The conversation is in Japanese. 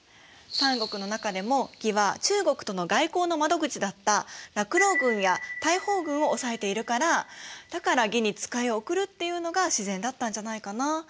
三国の中でも魏は中国との外交の窓口だった楽浪郡や帯方郡を押さえているからだから魏に使いを送るっていうのが自然だったんじゃないかな？